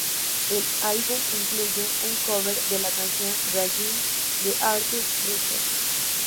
El álbum incluye un cover de la canción "Janine" de Arthur Russell.